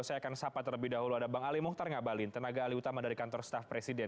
saya akan sapa terlebih dahulu ada bang ali mohtar ngabalin tenaga alih utama dari kantor staff presiden